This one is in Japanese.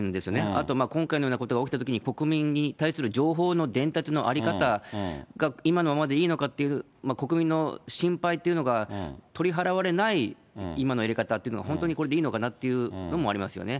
あと今回のようなことが起きたときに、国民に対する情報の伝達の在り方が今のままでいいのかっていう国民の心配というのが取り払われない、今のやり方というのが本当にこれでいいのかなっていうのもありますよね。